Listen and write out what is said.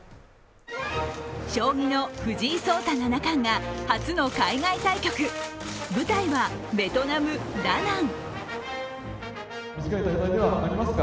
将棋の藤井聡太七冠が初の海外対局、舞台はベトナム・ダナン。